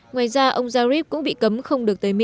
ngoài ra ông zarif cũng bị cấm không được tới mỹ